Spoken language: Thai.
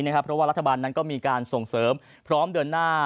เพราะว่ารัฐบาลนั้นก็มีการส่งเสริมพร้อมเดินหน้า